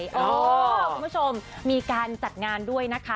คุณผู้ชมมีการจัดงานด้วยนะคะ